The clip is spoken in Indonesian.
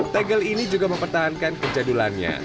tegel ini juga mempertahankan kejadulannya